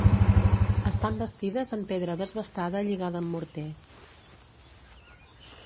Estan bastides en pedra desbastada lligada amb morter.